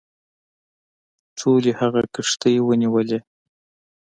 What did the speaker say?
ټولي هغه کښتۍ ونیولې.